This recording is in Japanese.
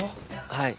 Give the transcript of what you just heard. はい。